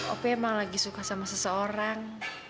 oke emang lagi suka sama seseorang